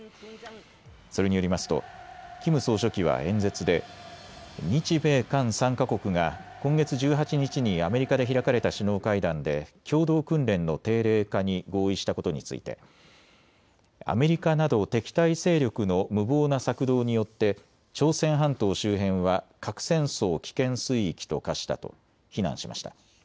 それによりますとキム総書記は演説で日米韓３か国が今月１８日にアメリカで開かれた首脳会談で共同訓練の定例化に合意したことについてアメリカなど敵対勢力の無謀な策動によって朝鮮半島周辺は核戦争危険水域と化したと非難しました。